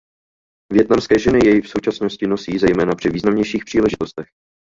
Vietnamské ženy jej v současnosti nosí zejména při významnějších příležitostech.